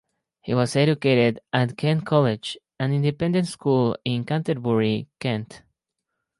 He was educated at Kent College, an independent school in Canterbury, Kent.